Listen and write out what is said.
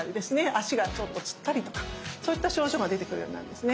足がちょっとつったりとかそういった症状が出てくるようになるんですね。